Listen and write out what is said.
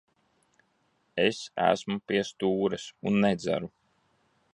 Es esmu pie stūres un nedzeru.